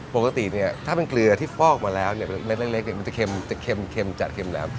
ปกติถ้าเป็นเกลือที่ฟอกมาแล้วมันเป็นเม็ดเล็กมันจะเค็มจัดเค็มแหลม